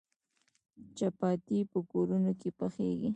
چپاتي په کورونو کې پخیږي.